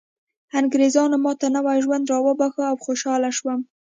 انګریزانو ماته نوی ژوند راوباښه او خوشحاله شوم